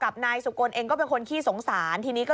กลัวแต่เลือกที่จะชนผมเนี่ยนะ